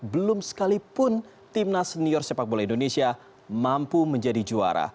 belum sekalipun timnas senior sepak bola indonesia mampu menjadi juara